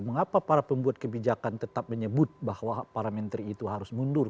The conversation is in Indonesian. mengapa para pembuat kebijakan tetap menyebut bahwa para menteri itu harus mundur